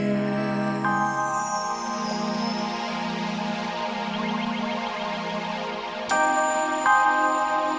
aku tak tahu